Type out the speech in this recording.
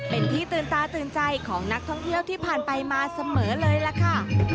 เป็นที่ตื่นตาตื่นใจของนักท่องเที่ยวที่ผ่านไปมาเสมอเลยล่ะค่ะ